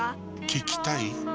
聞きたい？